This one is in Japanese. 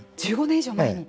１５年以上前に！